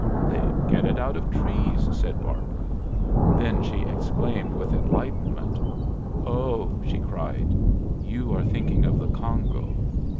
"They get it out of trees," said Barbara. Then she exclaimed with enlightenment "Oh!" she cried, "you are thinking of the Congo.